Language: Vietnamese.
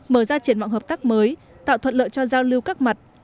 mở ra triển vọng hợp tác mới tạo thuận lợi cho giao lưu các mặt